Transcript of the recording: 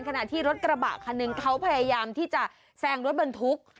ขณะที่รถกระบะคันหนึ่งเขาพยายามที่จะแซงรถบรรทุก